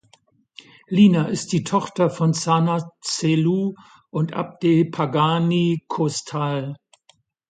Lina ist die Tochter von Sanaa Zellou und Abde Pghani Qostal.